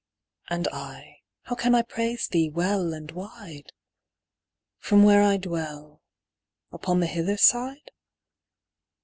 And I, how can I praise thee well and wide From where I dwell — upon the hither side